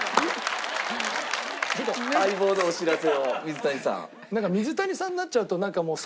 『相棒』のお知らせを水谷さん。